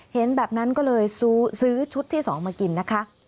เห็นแบบนั้นก็เลยซื้อชุดที่๒มากินนะคะ